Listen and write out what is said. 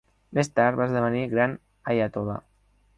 Més tard va esdevenir Gran Aiatol·là.